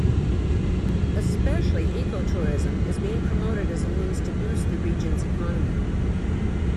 Especially eco-tourism is being promoted as a means to boost the region's economy.